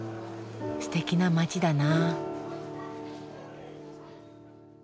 すてきな街だな。